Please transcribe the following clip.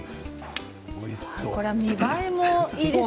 見栄えもいいですね。